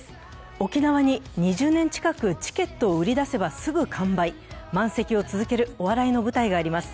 沖縄に２０年近く、チケットを売り出せばすぐ完売、満席を続けるお笑いの舞台があります。